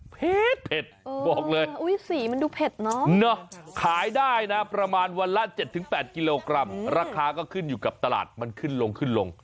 เผ็ดเผ็ดบอกเลยขายได้นะประมาณวันละ๗๘กิโลกรัมราคาก็ขึ้นอยู่กับตลาดมันขึ้นลง